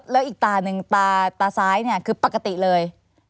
แล้วอีกตาหนึ่งตาซ้ายคือปกติเลย